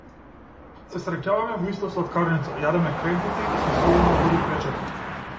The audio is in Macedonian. Се среќаваме во иста слаткарница, јадеме кремпити и смислуваме луди печати.